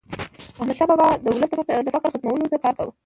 احمدشاه بابا به د ولس د فقر ختمولو ته کار کاوه.